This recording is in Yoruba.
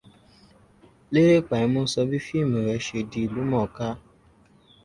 Lérè Pàímọ́ sọ bí fíìmù rẹ̀ ṣe di ìlú mọ̀ọ́ká.